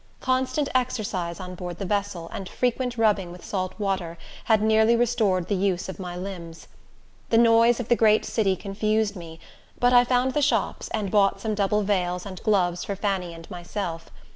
Constant exercise on board the vessel, and frequent rubbing with salt water, had nearly restored the use of my limbs. The noise of the great city confused me, but I found the shops, and bought some double veils and gloves for Fanny and myself.